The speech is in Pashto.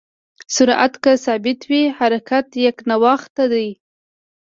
سرعت که ثابت وي، حرکت یکنواخت دی.